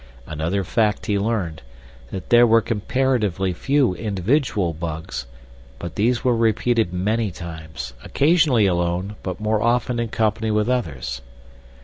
Another fact he learned—that there were comparatively few individual bugs; but these were repeated many times, occasionally alone, but more often in company with others.